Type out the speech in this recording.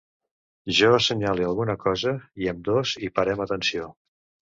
Jo assenyale alguna cosa i ambdós hi parem atenció.